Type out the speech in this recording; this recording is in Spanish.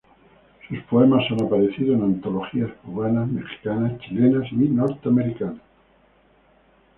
Sus poemas han aparecido en antologías cubanas, mexicanas, chilenas y norteamericanas.